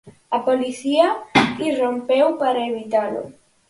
A Policía irrompeu para evitalo.